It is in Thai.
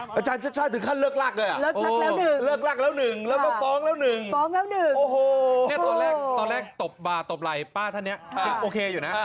ตอนแรกประตูปรานะป้าท่านเนี่ยคิดโอเคอยู่นะ